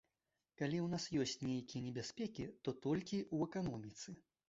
Калі ў нас ёсць нейкія небяспекі, то толькі ў эканоміцы.